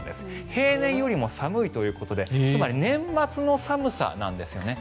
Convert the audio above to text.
平年よりも寒いということでつまり年末の寒さなんですね。